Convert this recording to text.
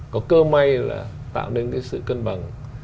có cơ may là tạo nên cái sự cân bằng